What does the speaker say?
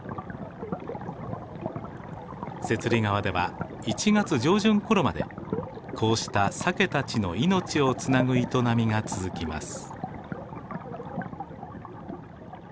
雪裡川では１月上旬ころまでこうしたサケたちの命をつなぐ営みが続きます。